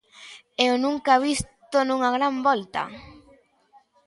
É o nunca visto nunha gran volta.